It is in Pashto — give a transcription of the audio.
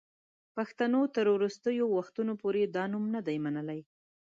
پښتنو تر وروستیو وختونو پوري دا نوم نه دی منلی.